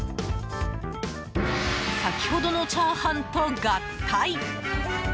先ほどのチャーハンと合体！